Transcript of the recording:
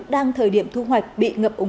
đang thời điểm thu hoạch bị ngập úng